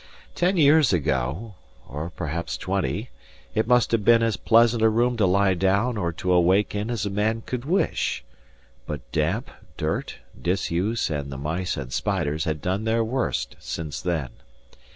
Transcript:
Ten years ago, or perhaps twenty, it must have been as pleasant a room to lie down or to awake in as a man could wish; but damp, dirt, disuse, and the mice and spiders had done their worst since then.